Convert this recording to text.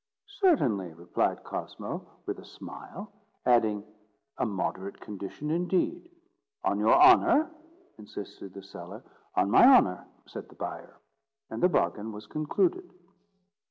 "Certainly," replied Cosmo, with a smile; adding, "a moderate condition indeed." "On your honour?" insisted the seller. "On my honour," said the buyer; and the bargain was concluded.